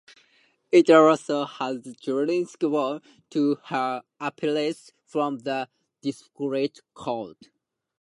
It also has jurisdiction to hear appeals from the District Court.